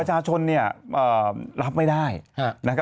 ทางแฟนสาวก็พาคุณแม่ลงจากสอพอ